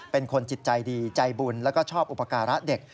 เป็นคนจิตใจดีใจบุญแล้วก็ชอบอุปการะเด็ก